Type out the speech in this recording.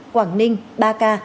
quảng ninh ba ca